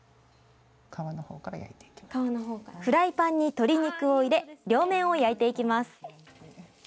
フライパンに鶏肉を入れ両面を焼いていきます。